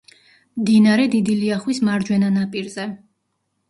მდინარე დიდი ლიახვის მარჯვენა ნაპირზე.